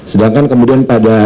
sedangkan kemudian pada